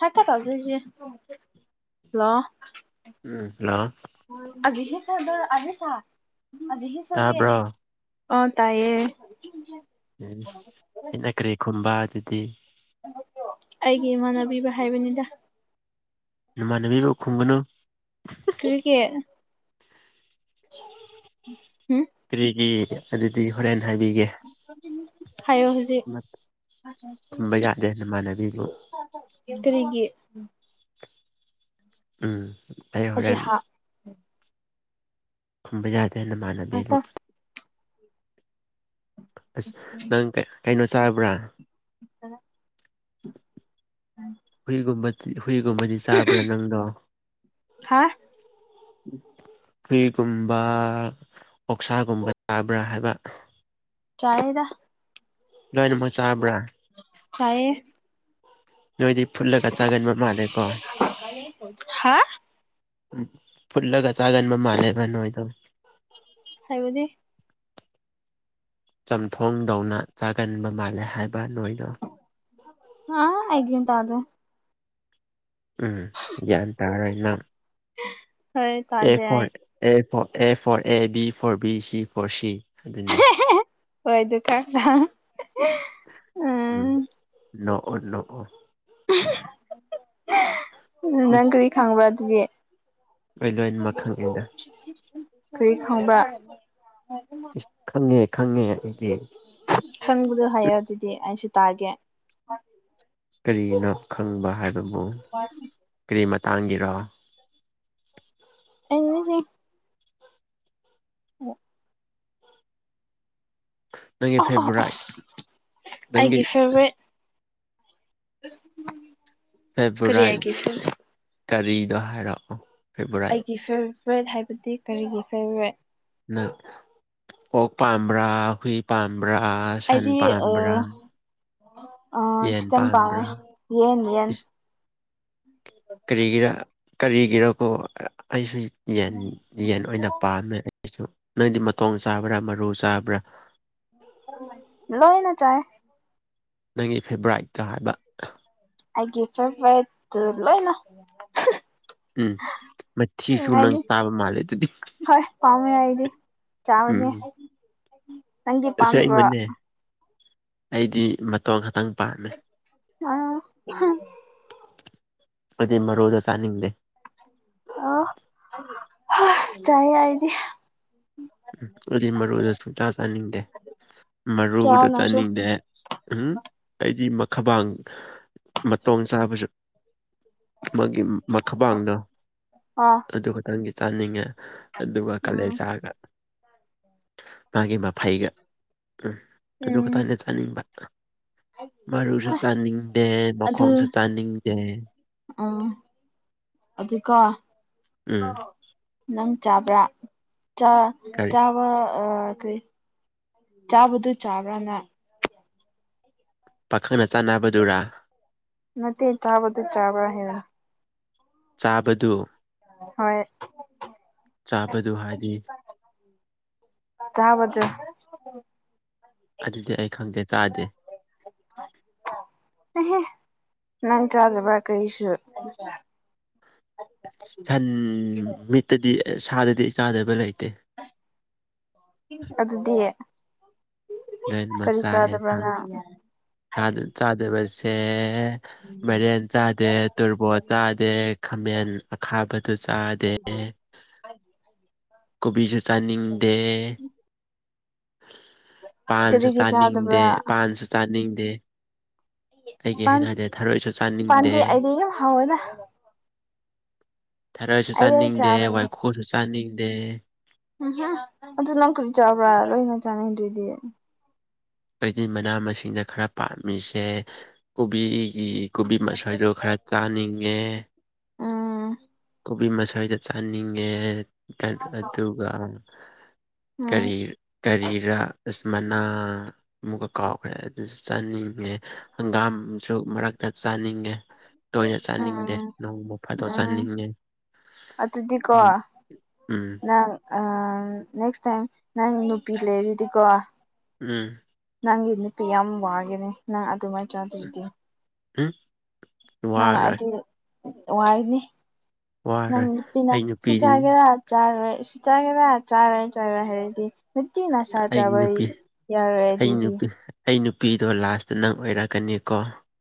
ꯍꯀ [unintelligible] ꯊꯖꯦꯁꯤꯦ hello ꯑ ꯎꯝ hello ꯍ ꯆꯗ ꯑ ꯁꯥ ꯑ ꯍ ꯆꯜꯕꯤꯦ [unintelligible] ꯇꯥꯕ꯭ꯔꯣ ꯑ ꯇꯥꯏꯌꯦ ꯍꯥꯏꯁ ꯑꯩꯅ ꯀꯔꯤ ꯈꯨꯝꯕ ꯑꯗꯨꯗꯤ ꯑꯩꯒꯤ ꯏꯃꯥꯟꯅꯕꯤꯕ ꯍꯥꯏꯕꯅꯤꯗ ꯏꯃꯥꯟꯅꯕꯤꯕꯨ ꯈꯨꯝꯒꯅꯨ ꯀꯔꯤꯀꯤ ꯎꯝ [unintelligible] ꯀ꯭ꯔꯤꯒꯤ ꯑꯗꯨꯗꯤ ꯍꯣꯔꯦꯟ ꯍꯥꯏꯕꯤꯒꯦ ꯍꯥꯏꯌꯣ ꯍꯧꯖꯤꯛ ꯈꯨꯝꯕ ꯌꯥꯗꯦ ꯅꯃꯥꯟꯅꯕꯤꯕꯨ ꯀꯔꯤꯒꯤ ꯎꯝ ꯑꯩ ꯍꯧꯖꯤꯛ ꯍꯣꯔꯦꯟ ꯍꯥ ꯈꯨꯝꯕ ꯌꯥꯗꯦ‌ ꯅꯃꯥꯟꯅꯕꯤꯕꯨ ꯉꯥꯏꯈꯣ ꯑꯁ ꯅꯪ ꯀꯩ ꯀꯩꯅꯣ ꯆꯥꯕ꯭ꯔꯥ [unintelligible] ꯍꯨꯏꯒꯨꯝꯕ ꯍꯨꯏꯒꯨꯝꯕꯗꯤ ꯆꯥꯕ꯭ꯔꯥ ꯅꯪꯗꯣ ꯍꯥ ꯎꯝ [unintelligible] ꯍꯨꯏꯒꯨꯝꯕ ꯑꯣꯛꯁꯥꯒꯨꯝꯕꯒ ꯆꯕ꯭ꯔꯥ ꯍꯥꯏꯕ ꯆꯥꯏꯌ‌ꯦꯗ ꯂꯣꯏꯅꯃꯛ ꯆꯥꯕ꯭ꯔꯥ ꯆꯥꯌꯦ ꯅꯣꯏꯗꯤ ꯐꯨꯠꯂꯒ ꯆꯥꯒꯟꯕ ꯃꯥꯜꯂꯦꯀꯣ ꯍꯥ ꯎꯝ ꯐꯨꯠꯂꯒ ꯆꯥꯒꯟꯕ ꯃꯥꯜꯂꯦꯕ ꯅꯣꯏꯗꯣ ꯍꯥꯏꯌꯨꯅꯦ ꯆꯝꯊꯣꯡꯗꯧꯅ ꯆꯥꯒꯟꯕ ꯃꯥꯜꯂꯦ ꯍꯥꯏꯕ ꯅꯣꯏꯗꯣ ꯍꯥ ꯑꯩ ꯒꯌꯥꯟ ꯇꯥꯗꯔꯦ ꯎꯝ ꯒꯌꯥꯟ ꯇꯥꯔꯣꯢꯅ ꯍꯦ ꯑꯦ ꯐꯣꯔ ꯑꯦ ꯐ A for A B for B C for C ꯍꯥꯏꯗꯨꯅꯦ ꯍꯣꯏꯗꯨ ꯀꯥꯟꯗ ꯎꯝ ꯅꯣꯛꯑꯣ ꯅꯣꯛꯑꯣ ꯎ ꯎꯝ ꯅꯪ ꯀꯔꯤ ꯈꯪꯕ꯭ꯔꯥ ꯑꯗꯨꯗꯤ ꯑꯩ ꯂꯣꯏꯅꯃꯛ ꯈꯪꯉꯦꯗ ꯀꯔꯤ ꯈꯪꯕꯔꯥ ꯏꯁ ꯈꯪꯉꯦ ꯈꯪꯉꯦ ꯑꯩꯗꯤ ꯈꯪꯕꯗꯣ ꯍꯥꯏꯌꯨ ꯑꯗꯨꯗꯤ ꯑꯩꯁꯨ ꯇꯥꯒꯦ ꯀꯔꯤꯅꯣ ꯈꯪꯕ ꯍꯥꯏꯕꯕꯨ ꯀꯔꯤ ꯃꯇꯥꯡꯒꯤꯔꯣ ꯑꯦ ꯎ ꯅꯪꯒꯤ ꯑꯣ ꯑꯣ ꯑꯣ ꯐꯦꯚꯣꯔꯥꯏꯠ ꯅꯪꯒꯤ ꯑꯩꯒꯤ ꯐꯦꯚꯣꯔꯥꯏꯠ ꯑꯦꯁ ꯐꯦꯕꯣꯔꯥꯏꯠ ꯀꯔꯤꯅꯣ ꯍꯥꯏꯔꯛꯑꯨ ꯑꯩꯒꯤ ꯐꯦꯚꯣꯔꯥꯏꯠ ꯍꯥꯏꯕꯗꯤ ꯀꯔꯤꯒꯤ ꯐꯦꯚꯣꯔꯥꯏꯠ ꯅꯪ ꯑꯣꯛ ꯄꯥꯝꯕ꯭ꯔꯥ ꯍꯨꯏ ꯄꯥꯝꯕ꯭ꯔꯥ ꯁꯟ ꯄꯥꯝꯕ꯭ꯔꯥ ꯑ ꯌꯦꯟ ꯆꯤꯛꯟ ꯄꯥꯃꯦ ꯄꯥꯝꯕ꯭ꯔꯥ ꯌꯦꯟ ꯌꯦꯟ ꯏꯁ ꯎꯣ ꯀꯔꯤꯒꯤꯔ ꯀꯔꯤꯒꯤꯔꯀꯣ ꯑꯩꯁꯨ ꯍꯦꯟ ꯌꯦꯟ ꯑꯣꯏꯅ ꯄꯥꯝꯃꯦ ꯑꯩꯁꯨ ꯅꯪꯗꯤ ꯃꯇꯣꯡ ꯆꯥꯕ꯭ꯔꯥ ꯃꯔꯨ ꯆꯥꯕ꯭ꯔꯥ ꯂꯣꯏꯅ ꯆꯥꯏ ꯅꯪꯒꯤ ꯐꯦꯕ꯭ꯔꯥꯏꯠꯇꯣ ꯍꯥꯏꯕ ꯑꯩꯒꯤ ꯐꯦꯚꯣꯔꯥꯏꯠꯇꯣ ꯂꯣꯏꯅ ꯎꯝ ꯎꯝ ꯃꯊꯤꯁꯨ ꯅꯪ ꯑꯩꯗꯤ ꯆꯥꯕ ꯃꯥꯜꯂꯦ ꯑꯗꯨꯗꯤ ꯍꯣꯏ ꯄꯥꯝꯃꯦ ꯑꯩꯗꯤ ꯆꯥꯕꯅꯦ ꯎꯝ ꯅꯪꯗꯤ ꯄꯥꯝꯗꯕ꯭ꯔꯣ ꯑ ꯑꯁꯦꯡꯕꯅꯦ ꯑꯩꯗꯤ ꯃꯇꯣꯡ ꯈꯛꯇꯪ ꯄꯥꯝꯃꯦ ꯑ ꯑꯩꯈꯣꯢꯗꯤ ꯃꯔꯨꯗꯣ ꯆꯥꯅꯤꯡꯗꯦ ꯑꯣ ꯍꯥ ꯆꯥꯏ ꯑꯩꯗꯤ ꯑꯩꯗꯤ ꯃꯔꯨꯗꯣ ꯁꯨꯡꯆꯥ ꯆꯥꯅꯤꯡꯗꯦ ꯆꯥꯎ ꯃꯔꯨꯗꯣ ꯅꯪꯁꯨ ꯆꯥꯅꯤꯡꯗꯦ ꯎꯝ ꯑꯩꯗꯤ ꯃꯈꯕꯡ ꯃꯇꯣꯡ ꯆꯥꯕꯁꯨ ꯃꯥꯒꯤ ꯃꯈꯕꯥꯥꯡꯗꯣ ꯑꯥ ꯑꯗꯨ ꯈꯛꯇꯪꯗꯤ ꯆꯥꯅꯤꯡꯉꯦ ꯑꯗꯨꯒ ꯎꯝ ꯀꯥꯂꯦꯖꯥꯒ ꯃꯥꯒꯤ ꯃꯥꯐꯩꯒ ꯑꯗꯨ ꯎꯝ ꯈꯠꯅꯦ ꯆꯥꯅꯤꯡꯕ ꯃꯔꯨꯁꯨ ꯆꯥꯅꯤꯡꯗꯦ ꯑꯗꯨ ꯃꯈꯣꯡꯁꯨ ꯆꯥꯅꯤꯡꯗꯦ ꯎꯝ ꯑꯗꯨꯀꯣ ꯎꯝ ꯅꯪ ꯆꯥꯕ꯭ꯔꯥꯥ ꯆꯥ ꯀꯔꯤ ꯀꯩ ꯆꯥꯕꯗꯨ ꯆꯥꯕ꯭ꯔꯥ ꯅꯥ ꯄꯥꯈꯪꯅ ꯆꯥꯟꯅꯕꯗꯨꯔꯥ ꯅꯠꯇꯦ ꯆꯥꯕꯗꯨ ꯆꯥꯕ꯭ꯔꯥ ꯍꯥꯏꯕ ꯆꯥꯕꯗꯨ ꯍꯣꯏ ꯆꯥꯕꯗꯨ ꯍꯥꯏꯗꯤ ꯆꯥꯕꯗꯨ ꯑꯗꯨꯗꯤ ꯑꯩ ꯈꯪꯗꯦ ꯆꯥꯗꯦ ꯅꯪ [inaudible] ꯆꯥꯖ꯭ꯔ ꯔꯀ ꯏꯁꯨ ꯁꯟ ꯃꯤꯠꯇꯗꯤ ꯁꯥꯗꯗꯤ ꯆꯥꯗꯕ ꯂꯩꯇꯦ ꯑꯗꯨꯗꯤ ꯂꯣꯏꯅꯃꯛ ꯀꯔꯤ ꯆꯥꯏꯌꯦ ꯆꯥꯗꯕ꯭ꯔ ꯅꯪ ꯁꯥꯗ ꯆꯥꯗꯕꯁꯦ ꯃꯔꯦꯟ ꯆꯥꯗꯦ ꯇꯣꯔꯕꯣꯠ ꯆꯥꯗꯦ ꯈꯥꯃꯦꯟ ꯑꯈꯥꯕꯗꯨ ꯆꯥꯗꯦ ꯀꯣꯕꯤꯁꯨ ꯆꯥꯅꯤꯡꯗꯦ ꯄꯥꯟꯁꯨ ꯀꯔꯤꯒꯤ ꯆꯥꯗꯕ꯭ꯔꯥ ꯆꯥꯅꯤꯡꯗꯦ ꯄꯥꯟꯁꯨ ꯆꯥꯅꯤꯡꯗꯦ ꯑꯩꯒꯤ ꯄꯥꯟ ꯍꯩꯅꯗꯦ ꯊꯔꯣꯏꯁꯨ ꯆꯥꯅꯤꯡꯗꯦ ꯄꯥꯟꯗꯤ ꯑꯩꯗꯤ ꯌꯥꯝ ꯍꯥꯎꯋꯤꯗ ꯊꯔꯣꯏꯁꯨ ꯑꯩ ꯌꯥꯝ ꯆꯥꯅꯤꯡꯗꯦ ꯆꯥꯕꯅꯦ ꯋꯥꯏꯈꯨꯁꯨ ꯆꯥꯅꯤꯡꯗꯦ ꯎꯝ ꯑꯗꯨ ꯅꯪ ꯀꯗꯤ ꯆꯥꯕ꯭ꯔꯥ ꯂꯣꯏꯅ ꯆꯥꯅꯤꯡꯗꯔ꯭ꯤꯗꯤ꯫ ꯑꯩꯗꯤ ꯃꯅꯥ ꯃꯁꯤꯡꯗ ꯈꯔ ꯄꯥꯝꯃꯤꯁꯦ ꯀꯣꯕꯤꯒꯤ ꯀꯣꯕꯤ ꯃꯥꯁꯣꯏꯗꯣ ꯈꯔ ꯆꯥꯅꯤꯡꯉꯦ ꯎꯝ ꯀꯣꯕꯤ ꯃꯁꯣꯏꯗꯣ ꯆꯥꯅꯤꯡꯉꯦ ꯑꯗꯨꯒ ꯀꯔꯤ ꯎꯝ ꯀꯔꯤꯔ ꯑꯁ ꯃꯅꯥ ꯑꯃꯨꯛꯀ ꯀꯥꯎꯈ꯭ꯔꯦ ꯑꯗꯨꯁꯨ ꯆꯥꯅꯤꯡꯉꯦ ꯍꯪꯒꯥꯝꯁꯨ ꯃꯔꯛꯇ ꯆꯥꯅꯤꯡꯉꯦ ꯇꯣꯏꯅ ꯆꯥꯅꯤꯡꯗꯦ ꯎꯝ ꯅꯣꯡꯃ ꯐꯥꯗꯣꯛ ꯎꯝ ꯆꯥꯅꯤꯡꯉꯦ ꯑꯗꯨꯗꯤꯀꯣ ꯎꯝ ꯎꯝ ꯅꯪ ꯑꯥ ꯅꯦꯛꯁ ꯇꯥꯏꯝ ꯅꯪ ꯅꯨꯄꯤ ꯂꯩꯔꯗꯤꯀꯣ ꯎꯝ ꯅꯪꯒꯤ ꯅꯨꯄꯤ ꯌꯥꯝ ꯋꯥꯒꯅꯤ ꯅꯪ ꯑꯗꯨꯃꯥꯏꯅ ꯆꯥꯗꯣꯏꯗꯤ [inaudible] ꯅꯪ ꯑꯗꯨ ꯋꯥꯏꯅꯤ ꯅꯪ ꯋꯥꯔꯣꯏ ꯅꯨꯄꯤꯅ ꯑꯩ ꯁꯤ ꯅꯨꯄꯤꯗꯤ ꯆꯥꯒꯦꯔꯥ ꯆꯥꯔꯣꯏ ꯏꯁ ꯆꯥꯒꯦꯔ ꯆꯥꯔꯣꯏ ꯆꯥꯔꯣꯏ ꯍꯥꯏꯔꯗꯤ ꯅꯨꯇꯤꯒꯤꯅ ꯁꯥ ꯑꯩꯒꯤ ꯆꯥꯕꯗꯤ ꯅꯨꯄꯤ ꯌꯥꯔꯣꯏ ꯑꯩ ꯑꯗꯨꯗꯤ ꯅꯨꯄꯤ ꯑꯩ ꯅꯨꯄꯤꯗꯣ ꯂꯥꯁꯇ ꯅꯪ ꯑꯣꯏꯔꯛꯀꯅꯤꯀꯣ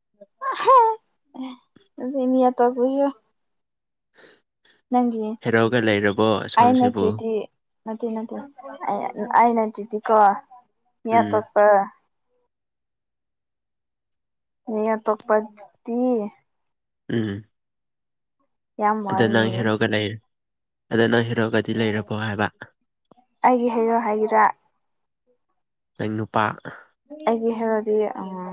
[inaudible] ꯅꯪꯒꯤ ꯍꯦꯔꯣꯒ ꯂꯩꯔꯕꯣ ꯑꯩ ꯁꯣꯝꯁꯤꯕꯨ ꯅꯠꯇ꯭ꯔꯗꯤ ꯅꯠꯇꯦ ꯅꯠꯇꯦ ꯑꯩ ꯅꯥꯠꯇꯔ꯭ꯗꯤꯀꯣ ꯃꯤ ꯎꯝ ꯑꯇꯣꯞꯄ ꯃꯤ ꯑꯇꯣꯄꯇꯇꯤ ꯎꯝ ꯌꯥꯝ ꯑꯗꯣ ꯅꯪ ꯋꯥꯒꯅꯤ ꯍꯤꯔꯣꯒ ꯂꯩ ꯑꯗꯣ ꯅꯪ ꯍꯦꯔꯣꯒꯗꯤ ꯂꯩꯔꯕꯣ ꯍꯥꯏꯕ ꯑꯩꯒꯤ ꯍꯦꯔꯣ ꯍꯥꯏꯒꯦꯔꯥ ꯅꯪ ꯅꯨꯄꯥ ꯑꯩꯒꯤ ꯍꯦꯔꯣꯗꯤ ꯑꯥ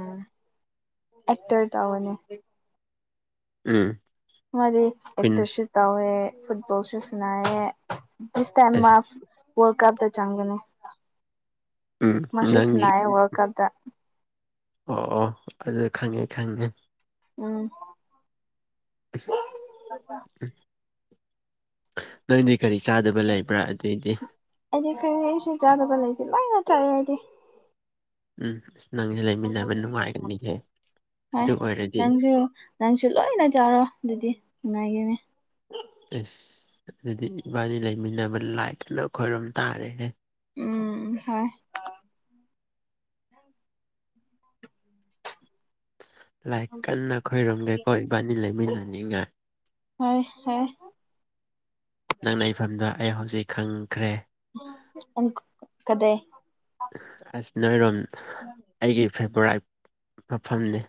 ꯑꯦꯛꯇꯔ ꯇꯧꯕꯅꯦ ꯎꯝ ꯃꯥꯗꯤ ꯀꯨꯟ ꯑꯦꯛꯇꯔꯁꯨ ꯇꯧꯋꯦ ꯐꯨꯠꯕꯣꯜꯁꯨ ꯁꯅꯩꯌꯦ [inaudible] ꯁꯇꯝ ꯑꯁ ꯃꯥꯐ ꯋꯥꯔꯜ ꯀꯞꯇ ꯆꯪꯕꯅꯦ ꯎꯝ ꯃꯥꯁꯨ ꯅꯪꯒꯤ ꯁꯅꯩꯌꯦ ꯋꯥꯜ ꯀꯞꯇ ꯑꯣ ꯑꯣ ꯑꯗꯨꯗꯤ ꯈꯪꯉꯦ ꯈꯪꯉꯦ ꯎꯝ [unintelligible] [inaudible] ꯅꯪꯗꯤ ꯀꯔꯤ ꯆꯥꯗꯕ ꯂꯩꯕ꯭ꯔꯥ ꯑꯗꯨꯏꯗꯤ ꯍꯥꯏꯗꯤ ꯀꯔꯤꯁꯨ ꯆꯥꯗꯕ ꯂꯩꯇꯦ ꯂꯣꯏ ꯆꯥꯏꯑꯦ ꯑꯩꯗꯤ ꯎꯝ ꯅꯪꯁꯦ ꯂꯩꯃꯤꯟꯅꯕ ꯅꯨꯡꯉꯥꯏꯒꯅꯤꯌꯦ ꯍꯣꯏ ꯅꯪꯁꯨ ꯅꯪꯁꯨ ꯂꯣꯏꯅ ꯆꯥꯔꯣ ꯑꯗꯨꯗꯤ ꯅꯨꯡꯉꯥꯏꯒꯅꯤ ꯑꯦꯁ ꯑꯗꯨꯗꯤ ꯏꯕꯥꯅꯤ ꯂꯩꯃꯤꯟꯅꯕ ꯂꯥꯏ ꯀꯟꯅ ꯈꯣꯏꯔꯝ ꯇꯥꯔꯦꯍꯦ ꯎꯝ ꯍꯣꯏ [inaudible] ꯂꯥꯏ ꯀꯟꯅ ꯈꯣꯏꯔꯣꯝꯒꯦꯀꯣ ꯏꯕꯥꯅꯤ ꯂꯩꯃꯤꯟꯅꯅꯤꯡꯉꯥꯏ ꯍꯣꯏ ꯍꯣꯏ ꯅꯪ ꯂꯩꯐꯝꯗꯣ ꯑꯩ ꯍꯧꯖꯤꯛ ꯈꯪꯈ꯭ꯔꯦ ꯑꯪ ꯀꯗꯦ ꯑꯁ ꯅꯣꯏꯔꯣꯝ [inaudible] ꯑꯩꯒꯤ ꯐꯦꯕꯣꯔꯥꯏꯠ ꯃꯐꯝꯅꯤ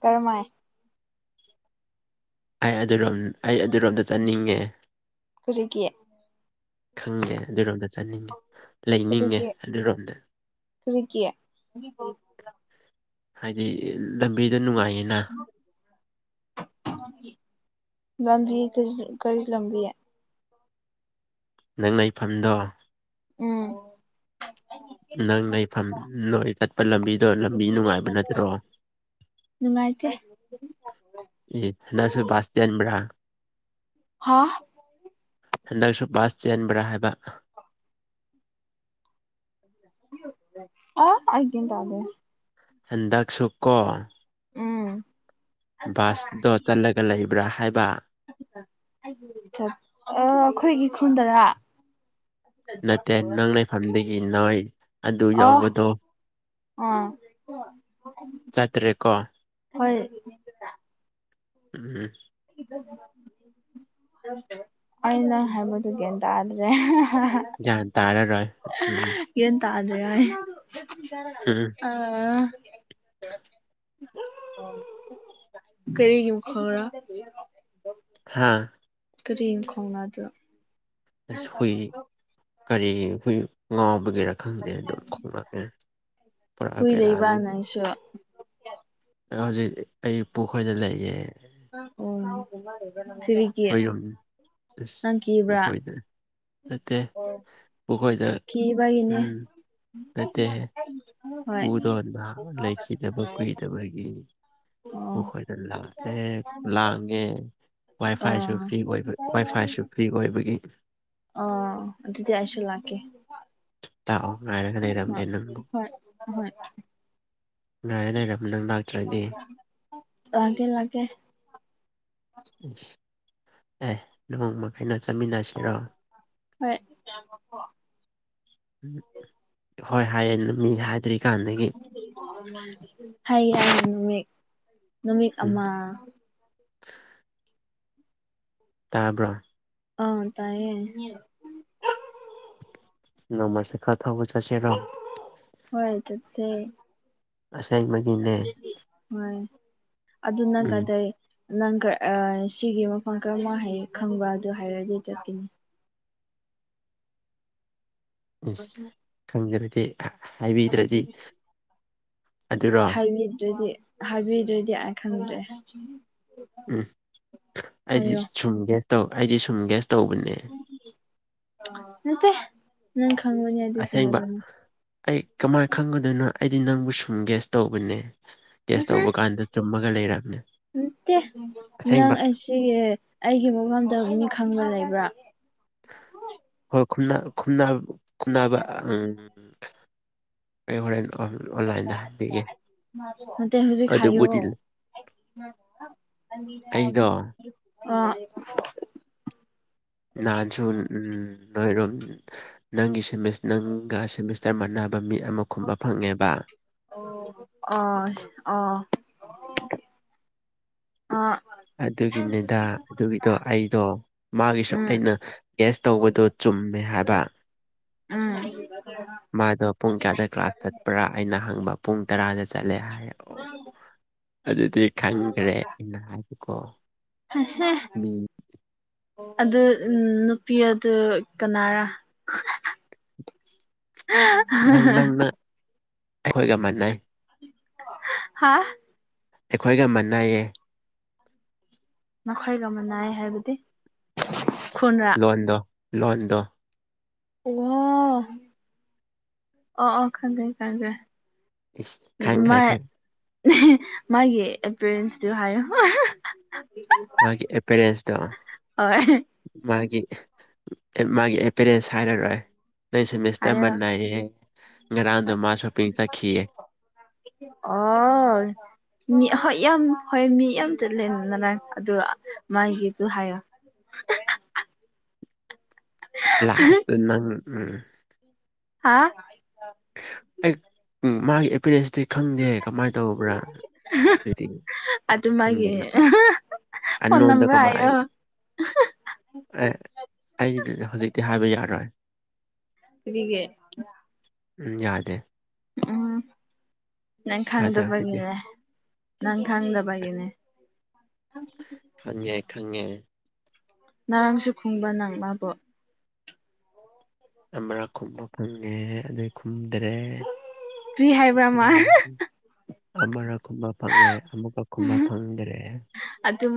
ꯀꯔꯃꯥꯏ ꯑꯩ ꯑꯗꯨꯔꯣꯝ ꯑꯩ ꯑꯗꯨꯔꯣꯝꯗ ꯆꯠꯅꯤꯡꯉꯦ ꯍꯧꯖꯤꯀꯤ ꯈꯪꯗꯦ ꯑꯗꯨꯔꯣꯝꯗ ꯆꯠꯅꯤꯡꯉꯦ ꯂꯩꯅꯤꯡꯉꯦ ꯑꯗꯨꯔꯣꯝꯗ ꯀꯌꯥ ꯍꯥꯏꯗꯤ ꯂꯝꯕꯤꯗꯣ ꯅꯨꯡꯉꯥꯏꯅꯤꯅ ꯂꯕꯤꯕꯤ ꯀꯔꯤ ꯂꯪꯕꯤ ꯑꯦ ꯅꯪ ꯂꯩꯐꯝꯗꯣ ꯎꯝ ꯅꯪꯅ ꯏꯐꯝ ꯅꯣꯏ ꯀꯠꯄ ꯂꯝꯕꯤꯗꯣ ꯂꯝꯕꯤ ꯅꯨꯡꯉꯥꯏꯕ ꯅꯠꯇ꯭ꯔꯣ ꯅꯨꯡꯉꯥꯏꯇꯦ ꯑꯦ ꯅꯪꯁꯨ ꯁꯇꯦꯟꯕ꯭ꯔ ꯍꯥꯥ ꯍꯟꯗꯛꯁꯨ ꯄꯥꯁ ꯆꯦꯟꯟꯕ꯭ꯔꯥ ꯍꯥꯏꯕ ꯑꯣ ꯑꯩꯗꯤ ꯃꯥꯟꯇꯦ ꯍꯟꯗꯛꯁꯨ ꯀꯣ ꯎꯝ ꯕꯥꯁꯇꯣ ꯆꯠꯂꯒ ꯂꯩꯕ꯭ꯔꯥ ꯍꯥꯏꯕ ꯑ ꯑꯩꯈꯣꯏꯒꯤ ꯈꯨꯟꯗꯔꯥ ꯅꯠꯇꯦ ꯅꯪ ꯂꯩꯐꯝꯗꯒꯤ ꯅꯣꯏ ꯑꯗꯨ ꯌꯥꯎꯕꯗꯣ ꯎꯝ ꯆꯥꯠ꯭ꯔꯀꯣ ꯍꯣꯏ ꯎꯝ [unintelligible] ꯑꯩꯅ ꯍꯥꯏꯕꯗꯨꯒꯇ꯭ꯔꯦ ꯒꯌꯥꯠ ꯇꯔꯥꯔꯣꯢ ꯎꯝ ꯌꯦꯟ ꯇꯥ꯭ꯔꯦ ꯎꯝ ꯑꯥ ꯀꯔꯤꯒꯤꯝ ꯈꯪꯔꯥ ꯍꯥꯥ ꯀꯔꯤ ꯈꯣꯡꯅꯗꯣ ꯑꯁ ꯍꯨꯏ ꯀꯔꯤ ꯍꯨꯏ ꯉꯥꯎꯕꯒꯤꯔ ꯈꯪꯗꯦ ꯑꯗꯨꯝ ꯈꯣꯡꯂꯛꯑꯦ ꯄꯨꯔꯛꯑ ꯍꯨꯏ ꯂꯩꯕ꯭ꯔꯥ ꯄꯦꯔꯛꯑꯅꯤ ꯅꯪꯁꯨ ꯍꯧꯖꯤꯛ ꯑꯩ ꯄꯨꯈꯣꯏꯗ ꯂꯩꯌꯦ ꯑꯣ ꯍꯣꯏ ꯌꯥꯝ ꯅꯪ ꯑꯦꯁ ꯀꯤꯕ꯭ꯔꯥ ꯍꯣꯏꯅꯦ ꯅꯠꯇꯦ ꯑꯈꯣꯏꯗ ꯀꯤꯕꯒꯤꯅꯦ ꯎꯝ ꯅꯠꯇꯦ ꯍꯣꯏ ꯄꯨꯗꯣꯟꯕ ꯂꯩꯈꯤꯗꯕ ꯀꯨꯏꯅꯕꯒꯤ ꯑꯣ ꯄꯨꯈꯣꯏꯗ ꯂꯥꯛꯇꯦ ꯂꯥꯡꯉꯦ ꯋꯥꯏ ꯐꯥꯏꯁꯨ ꯑꯣ ꯐ꯭ꯔꯤ ꯑꯣꯏꯕ ꯋꯥꯏ ꯐꯥꯏꯁꯨ ꯐ꯭ꯔꯤ ꯑꯣꯏꯕꯒꯤ ꯑꯣ ꯑꯗꯨꯗꯤ ꯑꯩꯁꯨ ꯂꯥꯛꯀꯦ ꯂꯥꯛꯑꯣ ꯉꯥꯏꯔꯒ ꯂꯩꯔꯝꯒꯦ ꯍꯣꯏ ꯅꯪꯕꯨ ꯍꯣꯏ ꯍꯣꯏ ꯉꯥꯏꯔ ꯂꯩꯔꯝ ꯅꯪ ꯂꯥꯛꯇ꯭ꯔꯗꯤ ꯂꯒꯦ ꯂꯒꯦ ꯑꯦ [unintelligible] ꯆꯠꯃꯤꯟꯅꯁꯤꯔꯣ ꯍꯣꯏ ꯍꯣꯏ ꯍꯥꯏꯑꯌꯦ ꯅꯨꯃꯤ ꯍꯥꯏꯗ꯭ꯔꯤꯀꯥꯟꯗꯒꯤ ꯍꯩ ꯌꯥ ꯅꯨꯃꯤꯠ ꯅꯨꯃꯤꯠ ꯎꯝ ꯑꯃ ꯇꯥꯕ꯭ꯔꯥ ꯑꯥ ꯇꯥꯏꯌꯦ [unintelligible] ꯁꯦ ꯈꯔ ꯊꯧꯕ ꯆꯠꯁꯤꯅ ꯍꯣꯏ ꯆꯠꯁꯦ ꯑꯁꯥꯏ ꯃꯒꯤ ꯍꯣꯏ ꯑꯗꯨꯅ ꯎꯝ ꯒꯗꯩꯩ ꯅꯪꯒ ꯑꯥ ꯁꯤꯒꯤ ꯃꯐꯝ ꯀꯔꯝꯕ ꯍꯥꯌꯦ ꯈꯪꯕ ꯑꯗꯨ ꯍꯥꯏꯔꯗꯤ ꯆꯠꯀꯅꯤ ꯑꯁ ꯈꯪꯖꯔꯒꯦ ꯍꯥꯏꯕꯤꯗ꯭ꯔꯗꯤ ꯑꯗꯨꯔꯣ [unintelligible] ꯍꯥꯏꯕꯤꯗ꯭ꯔꯗꯤ ꯑꯩ ꯈꯪꯗ꯭ꯔꯦ ꯎꯝ ꯑꯩꯗꯤ ꯍꯥꯏꯌꯣ ꯁꯨꯝ ꯒꯦ ꯇꯧ ꯑꯩꯗꯤ ꯁꯨꯝ ꯒ꯭ꯌꯥꯁ ꯇꯧꯕꯅꯦ [unintelligible] ꯅꯪ ꯈꯪꯃꯅꯤ ꯑꯗꯨꯒꯤ ꯑꯁꯦꯡꯕ ꯍꯥꯏꯕꯅꯤ ꯑꯩ ꯀꯃꯥꯏ ꯈꯪꯒꯗꯣꯏꯅꯣ ꯑꯩꯗꯤ ꯅꯪꯕꯨ ꯁꯨꯝ ꯒ꯭ꯦꯁ ꯇꯧꯕꯅꯦ [unintelligible] ꯒ꯭ꯌꯥꯁ ꯇꯧꯕ ꯀꯥꯟꯗ ꯆꯨꯝꯃꯒ ꯂꯩꯔꯝꯃꯦ ꯑꯁꯦꯡꯕ ꯁꯤ ꯑꯩꯒꯤ ꯃꯉꯝꯗ ꯃꯤ ꯈꯪꯕ ꯂꯩꯕ꯭ꯔꯥ ꯍꯣꯏ [unintelligible] ꯎꯝ ꯑꯩ ꯍꯣꯔꯦꯟ ꯑꯣꯟꯂꯥꯏꯟꯗ ꯍꯥꯏꯕꯤꯒꯦ ꯅꯠꯇꯦ ꯍꯧꯖꯤꯛ ꯍꯥꯏꯌꯣ ꯑꯗꯨꯕꯨꯗꯤ ꯑꯩꯗꯣ [unintelligible] ꯅꯍꯥꯟꯁꯨ ꯅꯣꯏꯔꯣꯝ ꯅꯪꯒꯤ [unintelligible] ꯅꯪꯒ [unintelligible] ꯆꯞ ꯃꯥꯟꯅꯕ ꯃꯤ ꯑꯃ ꯈꯨꯝꯕ ꯐꯪꯉꯦꯕ ꯑꯣ ꯑꯣ ꯑꯥ ꯑꯗꯨꯒꯤꯅꯦꯗꯥ ꯑꯗꯨꯒꯤꯗꯣ ꯑꯩꯗꯣ ꯃꯥꯒꯤꯁꯨ ꯎꯝ ꯑꯩꯅ ꯀꯦꯁ ꯇꯧꯕꯗꯨ ꯆꯨꯝꯃꯦ ꯍꯥꯏꯕ ꯎꯝ [unintelligible] ꯃꯥꯗꯣ ꯄꯨꯡ ꯀꯌꯥꯗ ꯀ꯭ꯂꯥꯁ ꯆꯠꯄ꯭ꯔꯥ ꯑꯩꯅ ꯍꯪꯕ ꯄꯨꯡ ꯇꯔꯥꯗ ꯆꯠꯂꯦ ꯍꯥꯏꯛꯑꯣ ꯑꯗꯨꯗꯤ ꯈꯪꯒ꯭ꯔꯦ ꯑꯩꯅ ꯍꯥꯏꯕꯀꯣ ꯍꯦꯍꯦ ꯃꯤ ꯑꯗꯨ ꯎꯝ ꯅꯨꯄꯤ ꯑꯗꯨ ꯀꯅꯥꯔ ꯅꯪ ꯅꯪꯅ ꯑꯩꯈꯣꯏꯒ ꯃꯥꯟꯅꯩ ꯍꯥꯥ ꯑꯩꯈꯣꯏꯒ ꯃꯥꯟꯅꯩꯌꯦ ꯅꯈꯣꯏꯒ ꯃꯅꯥꯏ ꯍꯥꯏꯕꯗꯤ ꯈꯨ [unintelligible] ꯂꯣꯟꯗꯣ ꯍꯜꯂꯣ ꯑꯣ ꯑꯣ [unintelligible] ꯏꯁ ꯎꯝ ꯈꯪꯈ꯭ꯔꯦ ꯃꯥꯏ ꯈꯪꯈ꯭ꯔꯦ [unintelligible] ꯃꯥꯒꯤ ꯑꯦꯄꯤꯔꯦꯟꯁꯇꯨ ꯍꯥꯏꯌꯨ ꯃꯥꯒꯤ ꯑꯦꯄꯦꯔꯦꯟꯁꯗ ꯍꯣꯏ ꯃꯥꯒꯤ ꯃꯥꯒꯤ ꯑꯦꯄꯦꯔꯦꯟꯁ ꯍꯥꯏꯔꯔꯣꯏ ꯅꯣꯏ ꯁꯦꯃꯦꯁꯇꯔ ꯍꯥꯏꯌꯣ ꯃꯟꯅꯥꯏ ꯉꯔꯥꯡꯗꯣ ꯃꯥꯁꯣ ꯄꯤꯀ ꯆꯠꯈꯤꯌꯦ ꯑꯣ ꯃꯤ ꯍꯣꯏ ꯌꯥꯝ ꯍꯣꯏ ꯃꯤ ꯌꯥꯝ ꯆꯠꯂꯦꯅ [unintelligible] ꯃꯥꯥꯏꯒꯤ ꯇꯨ ꯍꯥꯏꯌꯦ ꯂꯥꯁꯇ ꯅꯪ ꯎꯝ ꯍꯥ ꯑꯩ ꯃꯥꯒꯤ ꯑꯦꯄꯤꯔꯦꯟꯁꯇꯤ ꯈꯪꯗꯦ ꯀꯃꯥꯏ ꯇꯧꯕ꯭ꯔꯥ ꯑꯗꯨꯗꯤ ꯑꯗꯨ ꯀꯃꯥꯏꯅ ꯃꯥꯒꯤ ꯈꯪꯗꯦꯅ ꯐꯣꯟ ꯑꯅꯣꯟꯗ ꯅꯝꯕꯔ ꯍꯥꯏꯌꯣ ꯀꯃꯥꯏ ꯑꯦ ꯑꯩꯒꯤꯗꯨꯗꯤ ꯍꯧꯖꯤꯛꯇꯤ ꯍꯥꯏꯕ ꯌꯥꯔꯣꯏ ꯀꯔꯤꯒꯤ ꯎꯝ ꯌꯥꯗꯦ ꯎꯝ ꯅꯪ ꯌꯥꯗꯦ ꯍꯧꯖꯤꯛꯇꯤ ꯈꯪꯗꯕꯒꯤꯅꯦ ꯅꯪ ꯈꯪꯗꯕꯒꯤꯅꯦ ꯈꯪꯉꯦ ꯈꯪꯉꯦ ꯅꯔꯥꯡꯁꯨ ꯈꯨꯡꯕ꯭ꯔ ꯅꯪ ꯃꯥꯕꯨ ꯑꯃꯔꯛ ꯈꯨꯝꯕ ꯐꯪꯉꯦ ꯑꯗꯩ ꯈꯨꯝꯗ꯭ꯔꯦ ꯀ꯭ꯔꯤ ꯍꯥꯏꯕ꯭ꯔꯥ ꯃꯥ ꯑꯃꯔꯛ ꯈꯨꯝꯕ ꯐꯪꯉꯦ ꯑꯃꯨꯀ ꯈꯨꯝꯕ ꯐꯪꯗ꯭ꯔꯦ ꯑꯗꯨ ꯃ